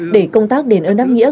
để công tác đền ơn đáp nghĩa